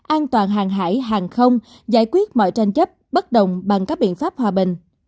an toàn hàng hải hàng không giải quyết mọi tranh chấp bất đồng bằng các biện pháp hòa bình